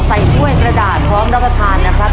ดัดไส้กรอกใส่ด้วยกระดาษพร้อมรับประทานนะครับ